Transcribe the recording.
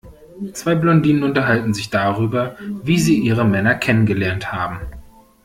Zwei Blondinen unterhalten sich darüber, wie sie ihre Männer kennengelernt haben.